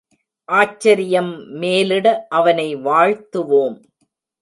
ஆச்சரியம் மேலிட அவனை வாழ்த்துவோம்.